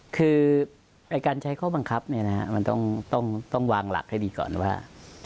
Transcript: คือการใช้ข้อบังคับมันต้องวางหลักให้ดีก่อนว่า